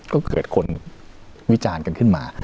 ก็เกิดคนวิจารณ์กันขึ้นมา